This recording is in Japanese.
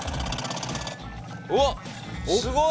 うわっすごい。